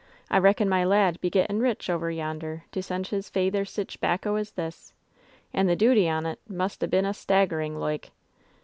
I reckon my lad be getting rich over yonder, to send his feyther sich 'bacco as this. And the duty on 't must a been sta^ering loike!"